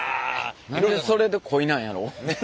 何でそれでコイなんやろ？ねえ。